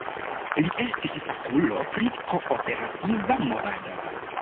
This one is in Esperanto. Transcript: Li estis fakulo pri kooperativa movado.